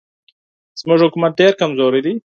زموږ حکومت ډېر کمزوری دی.